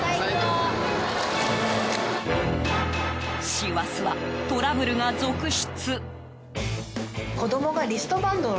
師走はトラブルが続出。